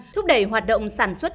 thúc đẩy hoạt động sản xuất